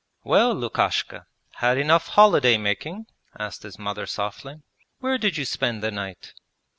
'Well, Lukashka, had enough holiday making?' asked his mother softly. 'Where did you spend the night?'